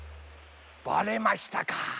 ばれましたか。